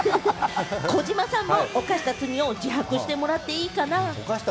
児嶋さんも犯した罪を自白してもらっていいかな？